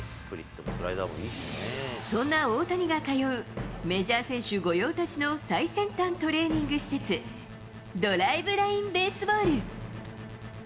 そんな大谷が通うメジャー選手御用達の最先端トレーニング施設、ドライブライン・ベースボール。